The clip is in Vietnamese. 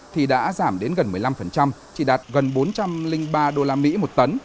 thì đã giảm đến gần một mươi năm chỉ đạt gần bốn trăm linh ba đô la mỹ một tấn